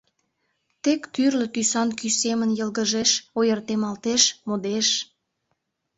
Тек тӱрлӧ тӱсан кӱ семын йылгыжеш, ойыртемалтеш, модеш!